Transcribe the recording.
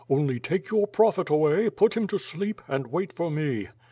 Only take your prophet away, put him to sleep, and wait for me."